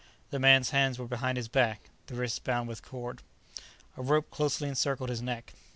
The man's hands were behind his back, the wrists bound with a cord. A rope closely encircled his neck.